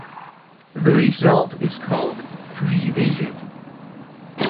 The result is called "Free Vision".